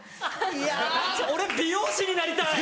いや俺美容師になりたい！